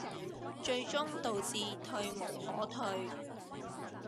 最終導致退無可退